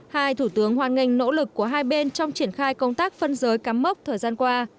hai thủ tướng hoan nghênh nỗ lực của hai bên trong triển khai công tác phân giới cắm mốc thời gian qua